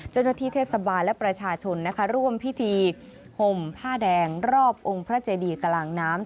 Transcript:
เจ้าหน้าที่เทศบาลและประชาชนนะคะร่วมพิธีห่มผ้าแดงรอบองค์พระเจดีกลางน้ำ